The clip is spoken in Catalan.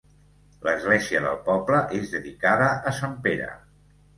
L'església del poble és dedicada a sant Pere.